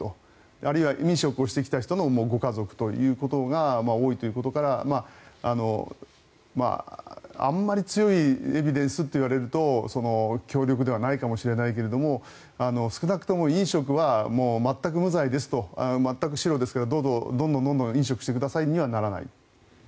あるいは飲食をしてきた人のご家族というのが多いということからあんまり強いエビデンスと言われると強力ではないかもしれないけれど少なくとも飲食は全く無罪ですと全く白ですからどんどん飲食してくださいにはならない。